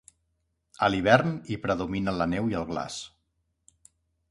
A l'hivern hi predomina la neu i el glaç.